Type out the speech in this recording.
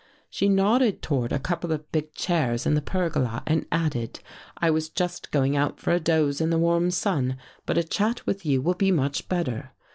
She nodded toward a couple of big chairs in the pergola and added: 'I was just going out for a doze in the warm sun. But a chat with you will be much better.